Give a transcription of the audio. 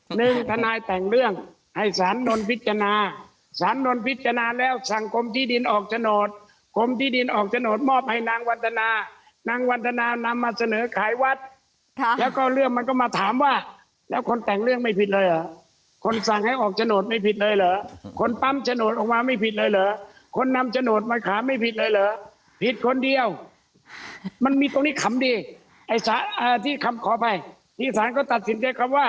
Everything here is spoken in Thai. หนึ่งท่านายแต่งเรื่องให้สารโดนพิจารณาสารโดนพิจารณาแล้วสั่งกรมที่ดินออกจโนธกรมที่ดินออกจโนธมอบให้นางวัฒนานางวัฒนานำมาเสนอขายวัดแล้วก็เรื่องมันก็มาถามว่าแล้วคนแต่งเรื่องไม่ผิดเลยเหรอคนสั่งให้ออกจโนธไม่ผิดเลยเหรอคนปั้มจโนธออกมาไม่ผิดเลยเหรอคนนำจโนธมาขาไม่ผิดเลยเหรอผิดคนเดียวมันมีตรงนี้